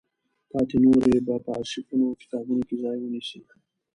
پاتې نورې به په ارشیفونو او کتابونو کې ځای ونیسي.